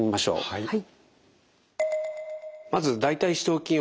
はい。